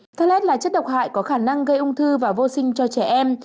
telet là chất độc hại có khả năng gây ung thư và vô sinh cho trẻ em